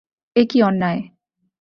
এ কী অন্যায়।